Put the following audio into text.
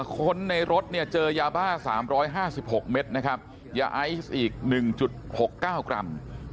คนในรถเจอยาบ้า๓๕๖เมตรยาไอ้อีก๑๖๙กรัม